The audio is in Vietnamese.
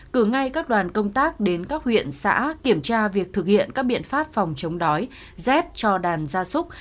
cử ngay các đoàn công tác đến các huyện xã kiểm tra việc thực hiện các biện pháp phòng chống đói rét cho đàn gia súc